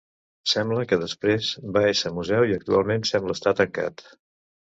Sembla que després va esser museu i actualment sembla estar tancat.